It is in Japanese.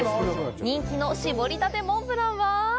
人気の絞りたてモンブランは。